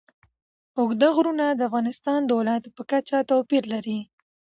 اوږده غرونه د افغانستان د ولایاتو په کچه توپیر لري.